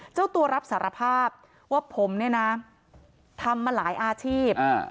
เจ้าตัวรับสารภาพว่าผมเนี่ยนะทำมาหลายอาชีพ